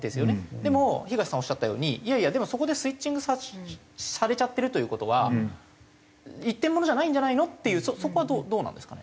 でも東さんがおっしゃったようにでもそこでスイッチングされちゃってるという事は一点物じゃないんじゃないの？っていうそこはどうなんですかね？